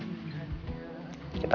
mudah mudahan caitlyn bisa cepat